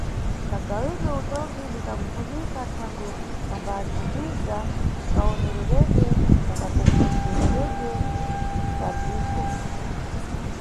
Kagawidwe Utongi ni kakufunika thangwe kambathandiza kawonereredwe na kakonzekeredwe ka dziko.